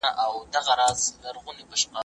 د هر پوهنتون اصول له بل سره بېل دي.